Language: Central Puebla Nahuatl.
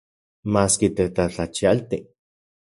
Maski tetlajtlachialti.